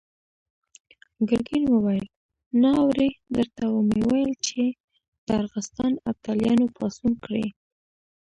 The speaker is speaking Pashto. ګرګين وويل: نه اورې! درته ومې ويل چې د ارغستان ابداليانو پاڅون کړی.